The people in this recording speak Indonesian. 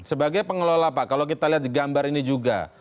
sebagai pengelola pak kalau kita lihat di gambar ini juga